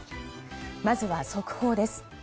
まずは速報です。